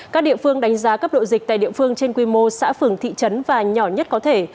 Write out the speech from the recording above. các địa phương đánh giá cấp độ dịch tại địa phương trên quy mô xã phường thị trấn và nhỏ nhất có thể